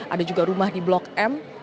ada juga rumah di blok m